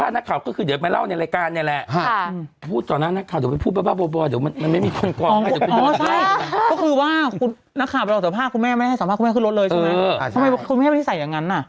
ทำไมคุณแม่วินิสัยอย่างนั้นอ่ะ